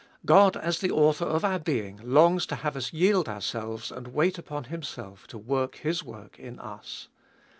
God as the author of our being longs to have us yield ourselves and wait upon Himself to work His work in us.